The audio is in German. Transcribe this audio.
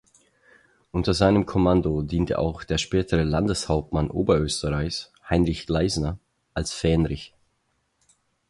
Unter seinem Kommando diente auch der spätere Landeshauptmann Oberösterreichs, Heinrich Gleißner, als Fähnrich.